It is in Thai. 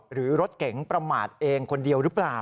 หรือรถเก๋งประมาทเองคนเดียวหรือเปล่า